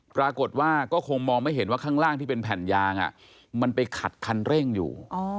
ปรากฏว่าก็คงมองไม่เห็นว่าข้างล่างที่เป็นแผ่นยางมันไปขัดคันเร่งอยู่